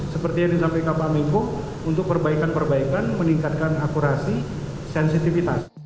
seperti yang disampaikan pak miko untuk perbaikan perbaikan meningkatkan akurasi sensitivitas